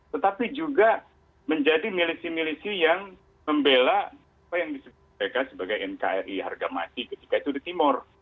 tetapi juga menjadi milisi milisi yang membela apa yang disebutkan sebagai nkri harga mati ketika itu di timur